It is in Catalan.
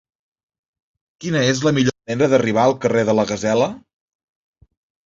Quina és la millor manera d'arribar al carrer de la Gasela?